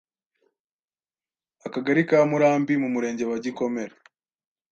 akagali ka Murambi mu murenge wa Gikomer